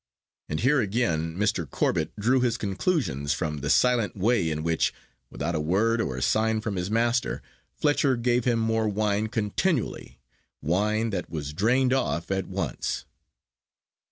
And here, again, Mr. Corbet drew his conclusions, from the silent way in which, without a word or a sign from his master, Fletcher gave him more wine continually wine that was drained off at once.